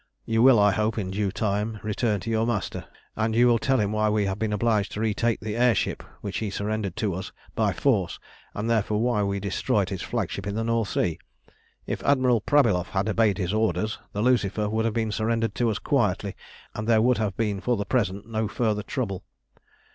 You will, I hope, in due time return to your master, and you will tell him why we have been obliged to retake the air ship which he surrendered to us by force, and therefore why we destroyed his flagship in the North Sea. If Admiral Prabylov had obeyed his orders, the Lucifer would have been surrendered to us quietly, and there would have been for the present no further trouble.